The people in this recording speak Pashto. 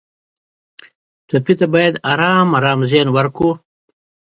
ټپي ته باید آرام او ارام ذهن ورکړو.